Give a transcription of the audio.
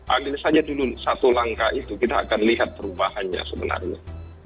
ambil saja dulu satu langkah itu kita akan lihat perubahannya sebenarnya